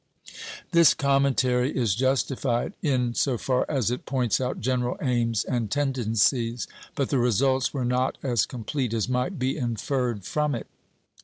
" This commentary is justified in so far as it points out general aims and tendencies; but the results were not as complete as might be inferred from it.